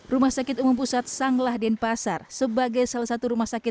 rumah sakit umum pusat sang lah den pasar sebagai salah satu rumah sakit